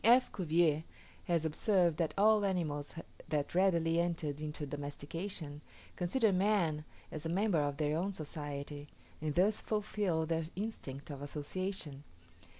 F. Cuvier has observed that all animals that readily enter into domestication, consider man as a member of their own society, and thus fulfil their instinct of association.